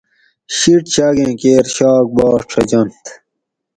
شِٹ چاگیں کیر شاک باٹ ݭجنت